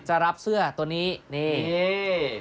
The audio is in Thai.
จะรับเสื้อตัวนี้นี่